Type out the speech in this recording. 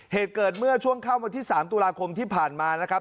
เหตุเกิดเมื่อช่วงค่ำวันที่๓ตุลาคมที่ผ่านมานะครับ